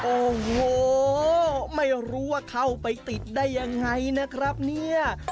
โอ้โหไม่รู้ว่าเข้าไปติดได้ยังไงนะครับเนี่ย